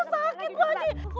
keban sumpah ku tuh